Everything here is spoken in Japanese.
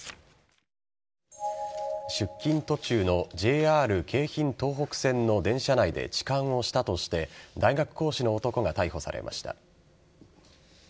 出勤途中のＪＲ京浜東北線の電車内で痴漢をしたとして大学講師の男が逮捕されました。